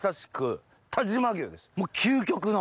究極の？